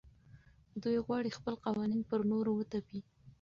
دوی غواړي خپل قوانین پر نورو وتپي.